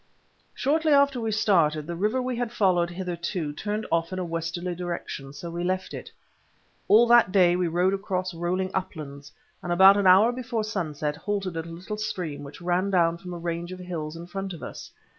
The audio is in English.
Shortly after we started, the river we had followed hitherto turned off in a westerly direction, so we left it. All that day we rode across rolling uplands, and about an hour before sunset halted at a little stream which ran down from a range of hills in front of us.